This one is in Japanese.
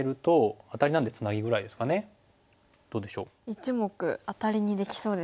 １目アタリにできそうですね。